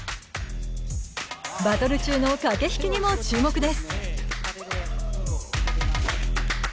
バトル中の駆け引きにも注目です。